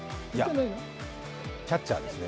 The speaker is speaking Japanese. キャッチャーですね。